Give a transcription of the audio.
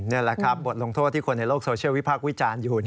นี่แหละครับบทลงโทษที่คนในโลกโซเชียลวิพากษ์วิจารณ์อยู่